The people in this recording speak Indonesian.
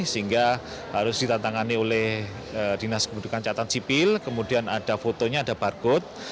sehingga harus ditantangani oleh dinas kebudukan catatan sipil kemudian ada fotonya ada barcode